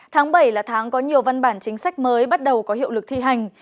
tháng bảy là tháng có nhiều văn bản chính sách mới bắt đầu có hiệu lực thi hành